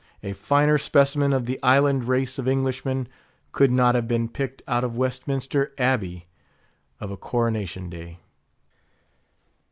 A finer specimen of the island race of Englishmen could not have been picked out of Westminster Abbey of a coronation day.